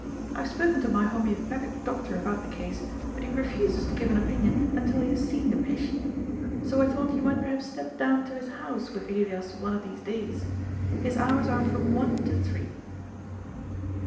I have spoken to my homoeopathic doctor about the case, but he refuses to give an opinion until he has seen the patient. So I thought you might perhaps step down to his house with Elias one of these days. His hours are from one to three."